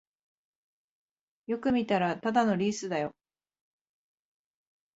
よく見たらただのリースだよ